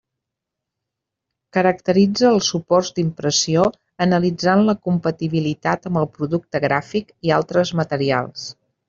Caracteritza els suports d'impressió analitzant la compatibilitat amb el producte gràfic i altres materials.